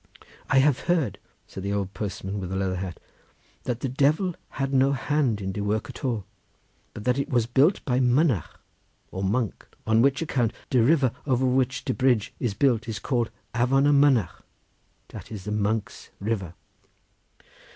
"I have heard," said the old postman with the leather hat, "that the Devil had no hand in de work at all, but that it was built by a Mynach, or monk, on which account de river over which de bridge is built is called Afon y Mynach—dat is de Monk's River."